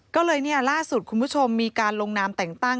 ก็เลยเนี่ยล่าสุดคุณผู้ชมมีการลงนามแต่งตั้ง